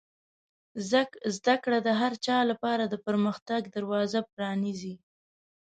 زده کړه د هر چا لپاره د پرمختګ دروازه پرانیزي.